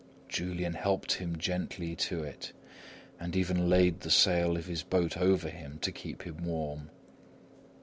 Julian helped him gently to it, and even laid the sail of his boat over him to keep him warm.